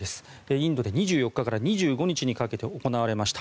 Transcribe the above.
インドで２４日から２５日にかけて行われました。